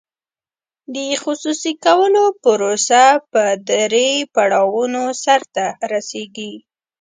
د خصوصي کولو پروسه په درې پړاوونو سر ته رسیږي.